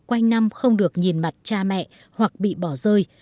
quanh năm không được nhìn mặt cha mẹ hoặc bị bỏ rơi